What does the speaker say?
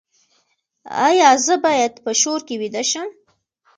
ایا زه باید په شور کې ویده شم؟